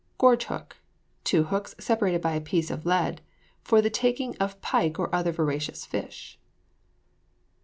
GORGE HOOK. Two hooks separated by a piece of lead, for the taking of pike or other voracious fish.